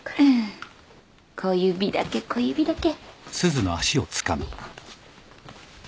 小指だけ小指だけ。